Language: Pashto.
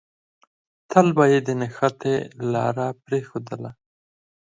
تل به يې د نښتې لاره پرېښودله.